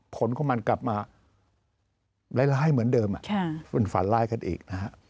ผลของมันกลับมาร้ายเหมือนเดิมฝุ่นฝันร้ายกันอีกนะฮะ